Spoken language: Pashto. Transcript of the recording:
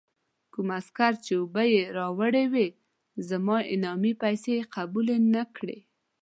کوم عسکر چې اوبه یې راوړې وې، زما انعامي پیسې یې قبول نه کړې.